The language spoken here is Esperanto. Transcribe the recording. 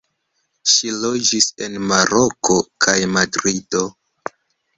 Ŝi loĝis en Maroko kaj Madrido.